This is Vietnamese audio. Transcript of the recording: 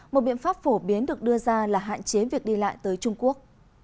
một biện pháp phổ biến được đưa ra là hạn chế việc đi lại tới trung quốc